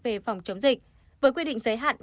về phòng chống dịch với quy định